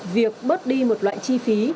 việc bớt đi một loại chi phí